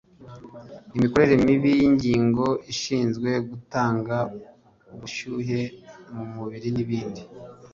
imikorere mibi y’ingingo zishinzwe gutanga ubushyuhe mu mubiri n’ibindi